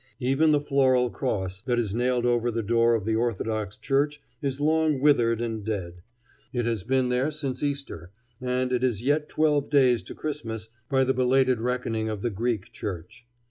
Even the floral cross that is nailed over the door of the Orthodox church is long withered and dead: it has been there since Easter, and it is yet twelve days to Christmas by the belated reckoning of the Greek Church.